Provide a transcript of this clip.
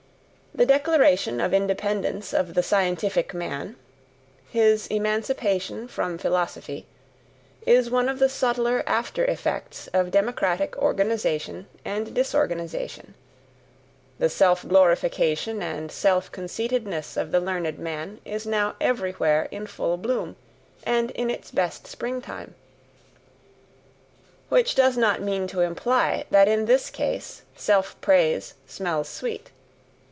The declaration of independence of the scientific man, his emancipation from philosophy, is one of the subtler after effects of democratic organization and disorganization: the self glorification and self conceitedness of the learned man is now everywhere in full bloom, and in its best springtime which does not mean to imply that in this case self praise smells sweet.